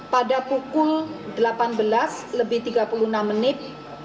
pada pukul delapan belas lebih tiga puluh enam menit